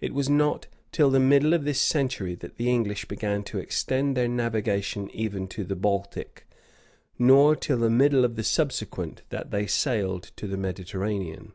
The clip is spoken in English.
It was not till the middle of this century that the English began to extend their navigation even to the Baltic;[*] nor till the middle of the subsequent, that they sailed to the Mediterranean.